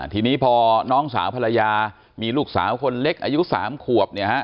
ทีนี้พอน้องสาวภรรยามีลูกสาวคนเล็กอายุ๓ขวบเนี่ยฮะ